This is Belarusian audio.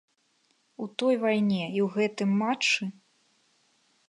У той вайне і ў гэтым матчы?!!